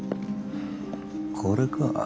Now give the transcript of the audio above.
これか。